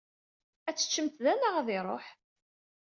Ad t-teččemt da neɣ ad iṛuḥ?